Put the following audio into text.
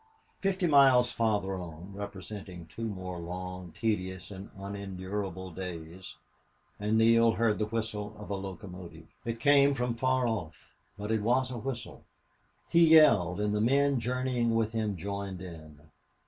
Fifty miles farther on, representing two more long, tedious, and unendurable days, and Neale heard the whistle of a locomotive. It came from far off. But it was a whistle. He yelled, and the men journeying with him joined in.